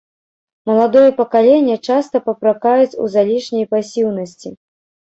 Маладое пакаленне часта папракаюць у залішняй пасіўнасці.